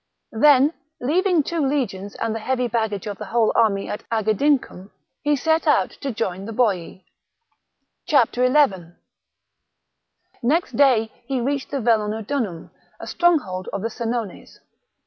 Then, leaving two legions and the heavy baggage of the whole army at Agedincum, he set out to join the Boii. 1 1 . Next day he reached Vellaunodunum, a stronghold of the Senones.